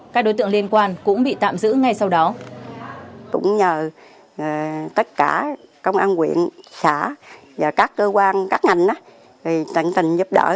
các đối tượng liên quan cũng bị tạm giữ ngay sau đó